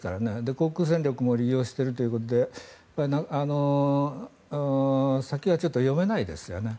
航空戦力も利用しているということで先がちょっと読めないですよね。